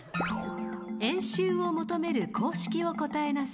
［円周を求める公式を答えなさい］